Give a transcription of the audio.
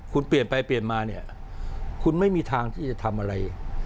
คุณเปลี่ยนไปเปลี่ยนมาเนี่ยคุณไม่มีทางที่จะทำอะไร